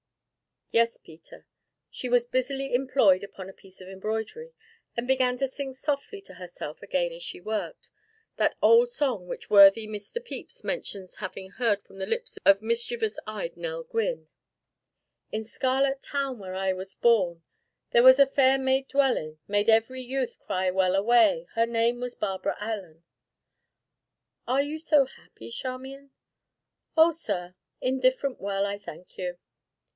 "Yes, Peter." She was busily employed upon a piece of embroidery, and began to sing softly to herself again as she worked, that old song which worthy Mr. Pepys mentions having heard from the lips of mischievous eyed Nell Gwynn: "In Scarlet town, where I was born, There was a fair maid dwellin', Made every youth cry Well a way! Her name was Barbara Allen." "Are you so happy, Charmian?" "Oh, sir, indifferent well, I thank you.